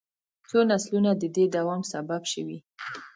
څو نسلونه د دې دوام سبب شوي.